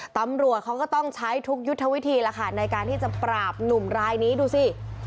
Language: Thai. ตำรวจเขาก็ต้องใช้ทุกยุทธวิธีแล้วค่ะในการที่จะปราบหนุ่มรายนี้ดูสิ